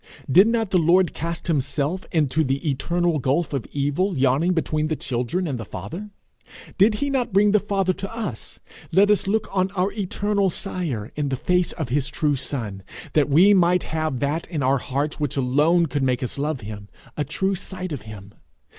Did not the Lord cast himself into the eternal gulf of evil yawning between the children and the Father? Did he not bring the Father to us, let us look on our eternal Sire in the face of his true son, that we might have that in our hearts which alone could make us love him a true sight of him?